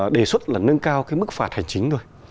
đề xuất là nâng cao cái mức phạt hành chính thôi